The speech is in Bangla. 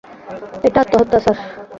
এটা আত্মহত্যা, স্যার।